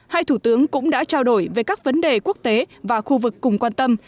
hai thủ tướng cũng đã trao đổi về các vấn đề quốc tế và khu vực cùng quan tâm